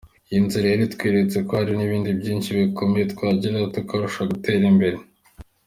Iyi nzu rero itweretse ko hari n’ibindi byinshi bikomeye twageraho tukarushaho gutera imbere.